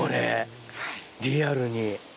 リアルに。